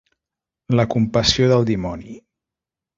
La compassió del dimoni.